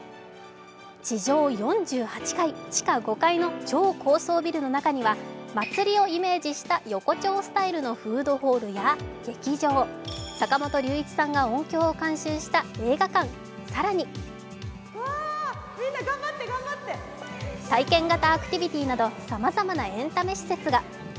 地上４８階、地下５階の超高層ビルの中には祭りをイメージした横丁スタイルのフードホールや劇場、坂本龍一さんが音響を監修した映画館、更に体験形アクティビティーなどさまざまなエンタメ施設が。